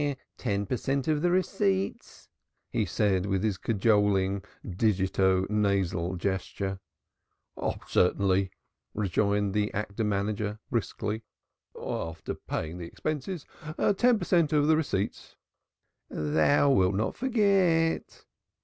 "Ten per cent. of the receipts!" he said with his cajoling digito nasal gesture. "Certainly," rejoined the actor manager briskly. "After paying the expenses ten per cent. of the receipts." "Thou wilt not forget?"